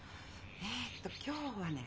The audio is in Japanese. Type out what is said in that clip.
えっと今日はね